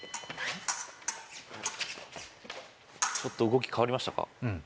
ちょっと動き変わりましたか？